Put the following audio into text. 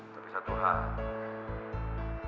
tapi satu hal